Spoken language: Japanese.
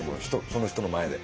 その人の前で。